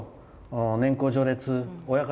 年功序列親方